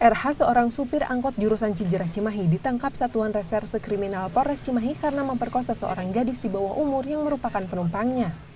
rh seorang supir angkot jurusan cijera cimahi ditangkap satuan reserse kriminal polres cimahi karena memperkosa seorang gadis di bawah umur yang merupakan penumpangnya